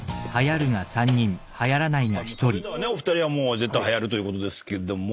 食べたお二人は絶対はやるということですけども。